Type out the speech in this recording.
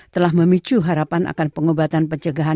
telah memicu harapan akan pengobatan pencegahan